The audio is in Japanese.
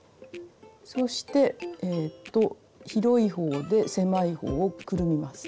そして広い方で狭い方をくるみます。